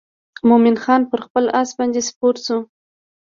مومن خان پر خپل آس باندې سپور شو.